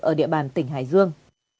ở địa bàn tỉnh hải dương